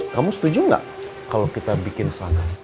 kamu setuju gak kalo kita bikin seragam